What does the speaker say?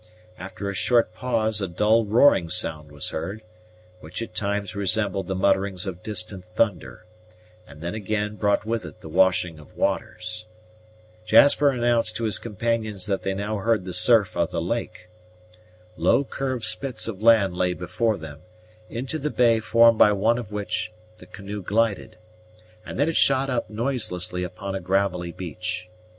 After a short pause, a dull roaring sound was heard, which at times resembled the mutterings of distant thunder, and then again brought with it the washing of waters. Jasper announced to his companions that they now heard the surf of the lake. Low curved spits of land lay before them, into the bay formed by one of which the canoe glided, and then it shot up noiselessly upon a gravelly beach.